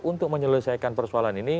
untuk menyelesaikan persoalan ini